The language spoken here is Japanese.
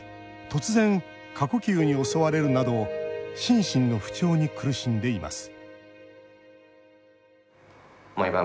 突然、過呼吸に襲われるなど心身の不調に苦しんでいます